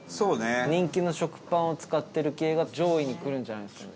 人気の食パンを使ってる系が上位にくるんじゃないですかね。